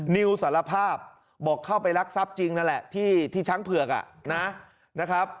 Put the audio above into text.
นิวสารภาพบอกเข้าไปรักทรัพย์จริงนั่นแหละที่ช้างเผือกนะครับ